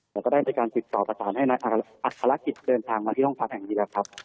แล้วก็ได้ในการติดต่อประสานให้นักอัครกิจเดินทางมาที่ห้องพักแห่งนี้แล้วครับ